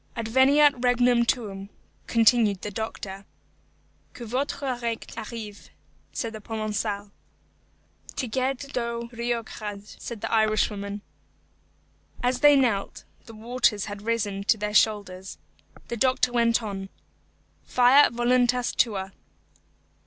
"Adveniat regnum tuum," continued the doctor. "Que votre règne arrive," said the Provençal. "Tigeadh do rioghachd," said the Irishwoman. As they knelt, the waters had risen to their shoulders. The doctor went on, "Fiat voluntas tua."